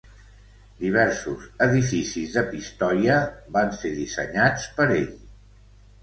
Diversos edificis de Pistoia van ser dissenyats per ell.